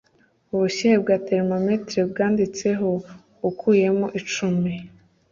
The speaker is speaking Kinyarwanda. Ubushyuhe bwa termometero bwanditseho ukuyemo icumi.